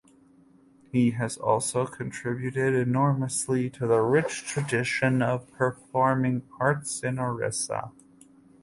He has also contributed enormously to the rich tradition of performing arts in Orissa.